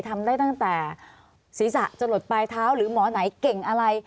ทำได้ตั้งแต่ศีรษะจะหลดปลายเท้าหรือหมอไหนเก่งอะไร